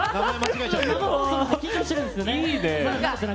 生放送緊張してるんです。